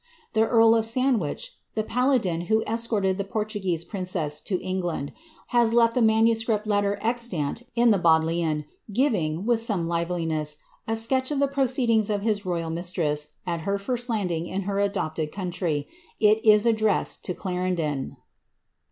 The earl of Sandwiclu the |)aladin who escorted the Portuguese prin cess to England, has left a manuscript letter extant in the Bodleian, giving, with sonic liveliness, a sketch of the proceedings of his rojil mistress, at her first landing in her adopted country. It is addressed to Clarendon.